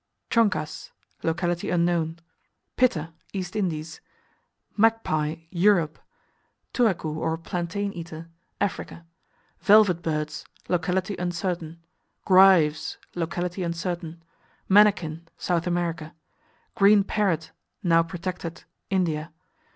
"Choncas" Locality unknown. Pitta East Indies. Magpie Europe. Touracou, or Plantain Eater Africa. Velvet Birds Locality uncertain. "Grives" Locality uncertain. Mannikin South America. Green Parrot (now protected) India.